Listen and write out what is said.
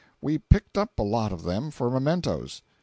We picked up a lot of them for mementoes.